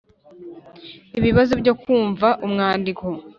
Ibibazo byo kumva umwandiko